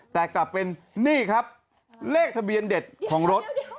แต่กลับเป็นนี่ครับเลขทะเบียนเด็ดของรถ